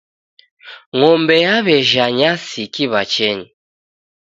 Ng'ombe yaw'ejha nyasi kiw'achenyi.